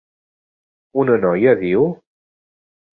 Una noia, diu?